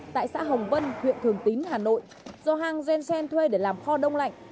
tại xã hồng vân huyện thường tín hà nội do hang jung sen thuê để làm kho đông lạnh